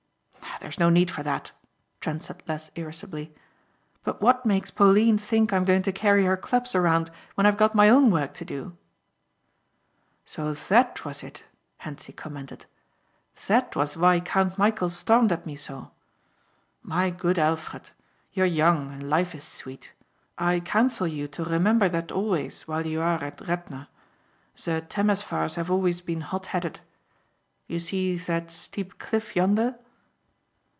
"There's no need for that," Trent said less irascibly, "but what makes Pauline think I'm going to carry her clubs around when I've got my own work to do?" "So that was it," Hentzi commented. "That was why Count Michæl stormed at me so. My good Alfred, you are young and life is sweet. I counsel you to remember that always while you are at Radna. The Temesvars have always been hot headed. You see that steep cliff yonder?"